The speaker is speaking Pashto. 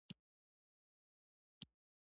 د غواګانو روزنه او مالداري ډېر رواج لري.